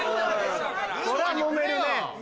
そりゃもめるね。